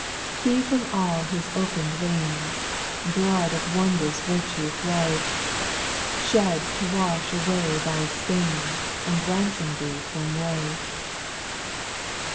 See from all His opened veins Blood of wondrous virtue flow, Shed to wash away thy slSins. And ransom thee from woe.